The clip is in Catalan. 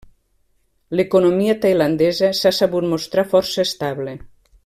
L’economia tailandesa s’ha sabut mostrar força estable.